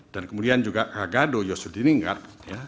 dan kemudian juga raghado yosudiningrat